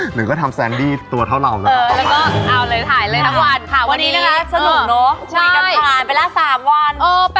หนึ่งก็ทำแซนดี้ตัวเท่าเรา